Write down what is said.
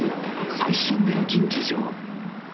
最新年金事情。